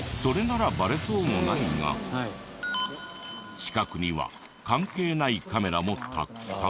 近くには関係ないカメラもたくさん。